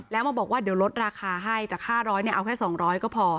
แล้วมาบอกว่าเดี๋ยวลดราคาให้จาก๕๐๐เอาแค่๒๐๐ก็พอ